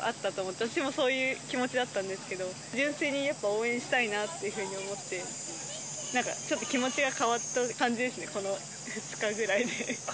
私もそういう気持ちだったんですけど、純粋にやっぱ応援したいなというふうに思って、なんか、ちょっと気持ちが変わった感じですね、この２日ぐらいで。